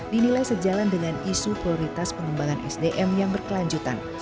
dinilai sejalan dengan isu prioritas pengembangan sdm yang berkelanjutan